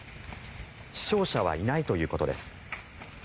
死傷者はいないということです。